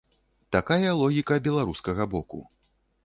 Такая логіка беларускага боку.